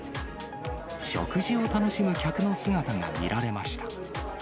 食事を楽しむ客の姿が見られました。